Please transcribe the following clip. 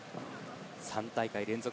３大会連続